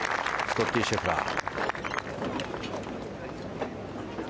スコッティ・シェフラー。